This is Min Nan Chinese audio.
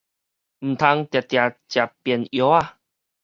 毋通定定食便藥仔